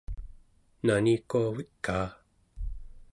nanikuavikaa